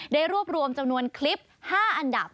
ได้รวบรวมจำนวนคลิป๕อันดับ